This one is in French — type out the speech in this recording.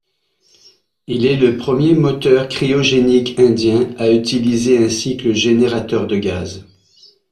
Il est le premier moteur cryogénique indien à utiliser un cycle générateur de gaz.